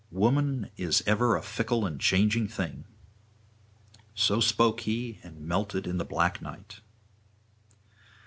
Woman is ever a fickle and changing thing.' So spoke he, and melted in the black night.